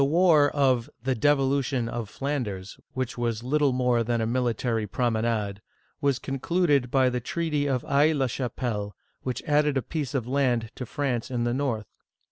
The war of " the Devolution of Flanders," which was little more than a military promenade, was concluded by the treaty of Aix la Cbapelle, which added a piece of land to France in the north.